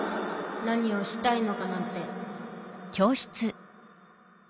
何をしたいのかなんて。